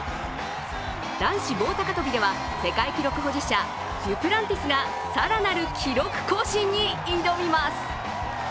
男子棒高跳びでは世界記録保持者・デュプランティスが更なる記録更新に挑みます。